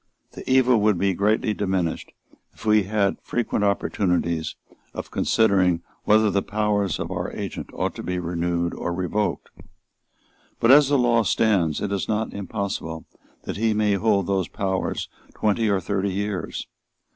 The evil would be greatly diminished if we had frequent opportunities of considering whether the powers of our agent ought to be renewed or revoked. But, as the law stands, it is not impossible that he may hold those powers twenty or thirty years.